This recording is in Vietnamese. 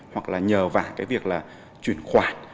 hoặc là nhờ vả cái việc là chuyển khoản